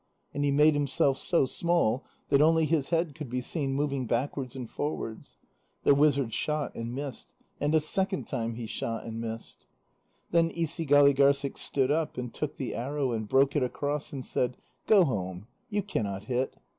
And he made himself so small that only his head could be seen moving backwards and forwards. The wizard shot and missed. And a second time he shot and missed. Then Isigâligârssik stood up, and took the arrow, and broke it across and said: "Go home; you cannot hit."